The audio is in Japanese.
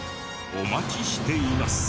お待ちしています。